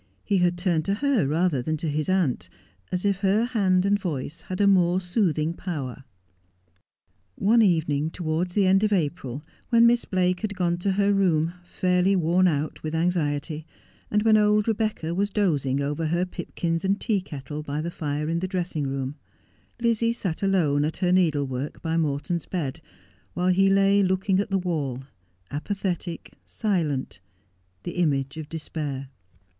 He had turned to her rather than to his aunt, as if her hand and voice had a more soothing power. One evening towards the end of April, when Miss Blake had gone to her room, fairly worn out with anxiety, and when old Rebecca was dozing over her pipkins and tea kettle by the fire in the dressing room, Lizzie sat alone at her needlework by Morton's bed, while he lay looking at the wall, apathetic, silent, the image of despair.